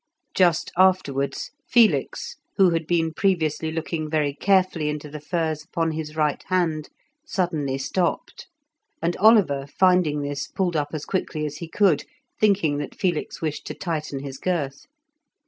Just afterwards Felix, who had been previously looking very carefully into the firs upon his right hand, suddenly stopped, and Oliver, finding this, pulled up as quickly as he could, thinking that Felix wished to tighten his girth.